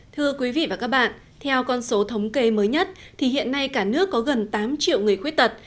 thưa quý vị và các bạn theo con số thống kê mới nhất thì hiện nay cả nước có gần tám triệu người khuyết tật